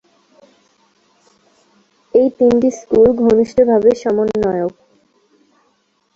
এই তিনটি স্কুল ঘনিষ্ঠভাবে সমন্বয়ক।